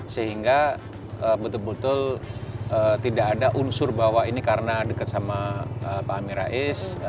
sehingga betul betul tidak ada unsur bahwa ini karena dekat sama pak amin rais